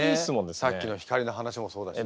さっきの光の話もそうだしね。